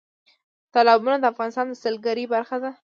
تالابونه د افغانستان د سیلګرۍ برخه ده.